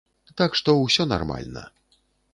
Так што, усё нармальна.